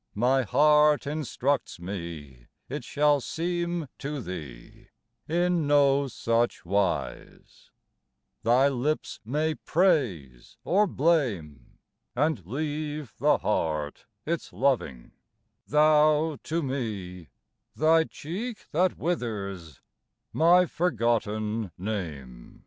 '' My heart instructs me it shall seem to thee In no such wise; thy lips may praise or blame And leave the heart its loving thou to me, Thy cheek that withers, my forgotten name.